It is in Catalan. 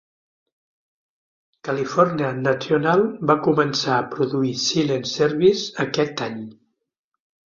California National va començar a produir Silent Services aquest any.